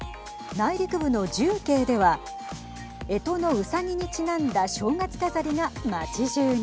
内陸部の重慶ではえとのうさぎにちなんだ正月飾りが町じゅうに。